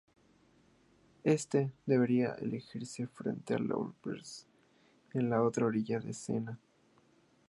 Éste debería erigirse frente al Louvre, en la otra orilla del Sena.